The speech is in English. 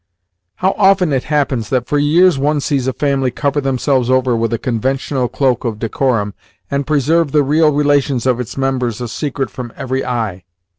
How often it happens that for years one sees a family cover themselves over with a conventional cloak of decorum, and preserve the real relations of its members a secret from every eye!